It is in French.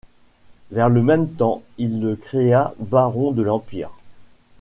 Vers le même temps, il le créa baron de l'Empire.